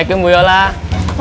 waalaikumsalam kang sobri